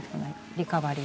リカバリーが。